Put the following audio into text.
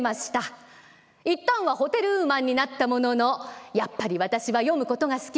一旦はホテルウーマンになったものの「やっぱり私は読むことが好き。